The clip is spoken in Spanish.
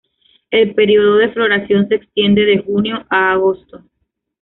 El período de floración se extiende de junio a agosto.